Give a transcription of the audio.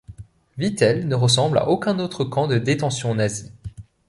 Vittel ne ressemble à aucun autre camp de détention nazi.